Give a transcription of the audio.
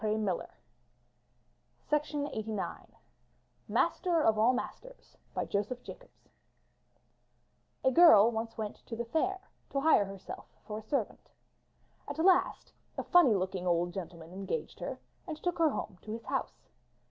»M ir Hi 409 M Y BOOK HOUSE MASTER OF ALL MASTERS Joseph Jacobs A girl once went to the fair to hire herself for a servant. At last a funny looking old gentleman engaged her, and took her home to his house.